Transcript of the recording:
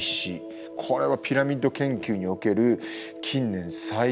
これはピラミッド研究における近年最大の発見です。